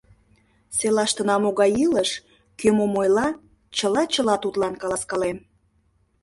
Селаштына могай илыш, кӧ мом ойла — чыла-чыла тудлан каласкалем.